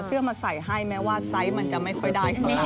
เสื้อมาใส่ให้แม้ว่าไซส์มันจะไม่ค่อยได้เท่ากัน